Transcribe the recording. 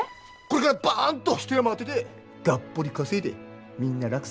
これからバンと一山当ててがっぽり稼いでみんな楽させてやるから。